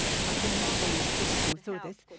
アフガニスタンの人たちもそうです。